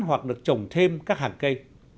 hoặc được trồng thêm các hàng cây